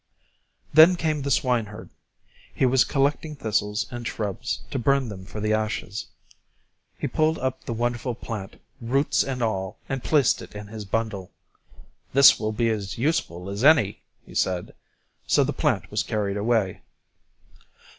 Then came the swineherd; he was collecting thistles and shrubs to burn them for the ashes. He pulled up the wonderful plant, roots and all, and placed it in his bundle. "This will be as useful as any," he said; so the plant was carried away.